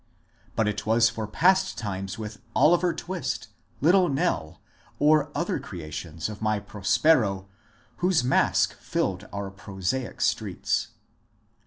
But it was for pastimes with Oliver Twist," " Little Nell," or other creations of my Prospero, whose masque filled our pro* saic streets.